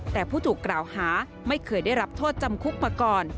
แต่ผู้ถูกกล่าวหาไม่เคยได้รับโทษจำคุกมาก่อน